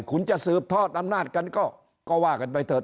คุณจะสืบทอดอำนาจกันก็ว่ากันไปเถอ